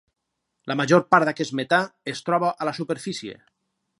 La major part d'aquest metà es troba a la superfície.